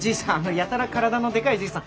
やたら体のでかいじいさん。